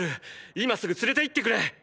今すぐ連れて行ってくれ！